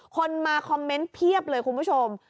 คนมาคอมเมนต์เพียบเลยคุณผู้ชม